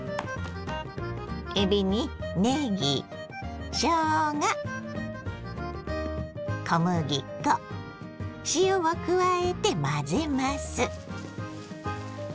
えびにねぎしょうが小麦粉塩を加えて混ぜます。